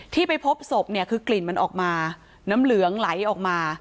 ที่ไปพบศพเนี่ยคือกลิ่นมันออกมาน้ำเหลืองไหลออกมา